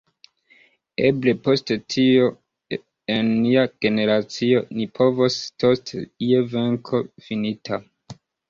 Eble post tio en nia generacio ni povos tosti je venko finita.